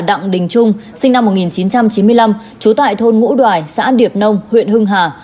đặng đình trung sinh năm một nghìn chín trăm chín mươi năm trú tại thôn ngũ đoài xã điệp nông huyện hưng hà